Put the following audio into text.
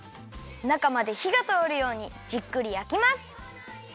なかまでひがとおるようにじっくりやきます。